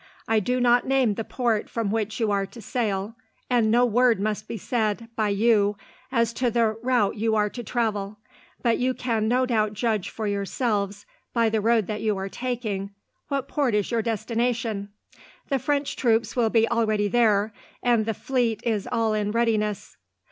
I do not name the port from which you are to sail, and no word must be said, by you, as to the route you are to travel; but you can no doubt judge for yourselves, by the road that you are taking, what port is your destination. The French troops will be already there, and the fleet is all in readiness.